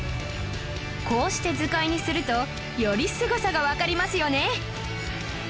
こうして図解にするとよりすごさがわかりますよね